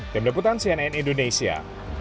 dari keputusan cnn indonesia